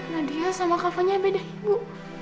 nadia sama kak vanya beda ibu